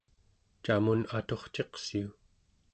camun aturciqsiu?